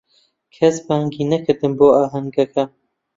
کەس بانگی نەکردم بۆ ئاهەنگەکە.